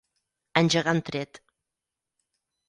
Engegar un tret.